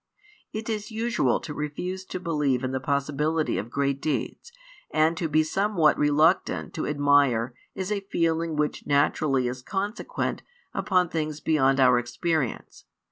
It is usual to refuse to believe in the possibility of great deeds, and to be somewhat reluctant to admire is a feeling which naturally is consequent upon things beyond our experience.